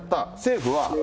政府は。